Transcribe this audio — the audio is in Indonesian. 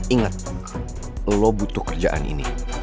ingat lo butuh kerjaan ini